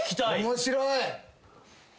面白い！